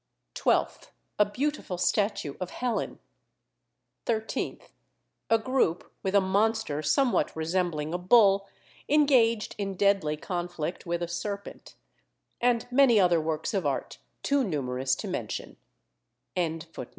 12th. A beautiful statue of Helen. 13th. A group, with a monster somewhat resembling a bull, engaged in deadly conflict with a serpent; and many other works of art, too numerous to mention.